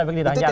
oh iya banyak